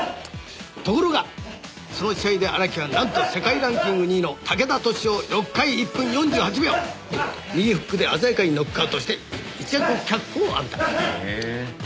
「ところがその試合で荒木はなんと世界ランキング２位の武田俊夫を６回１分４８秒右フックで鮮やかにノックアウトして一躍脚光を浴びた」へえ。